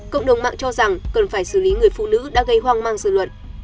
cộng đồng mạng cho rằng cần phải xử lý người phụ nữ đã gây hoang mang sự luận